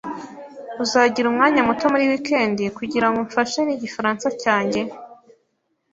Uzagira umwanya muto muri wikendi kugirango umfashe nigifaransa cyanjye?